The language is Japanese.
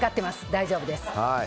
大丈夫です。